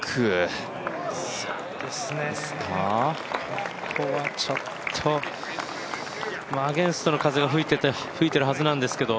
ここはちょっとアゲンストの風が吹いているはずなんですけど。